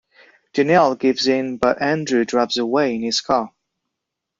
Danielle gives in but Andrew drives away in his car.